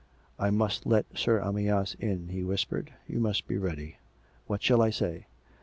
" I must let Sir Amyas in," he whispered. " You must be ready." " What shall I say?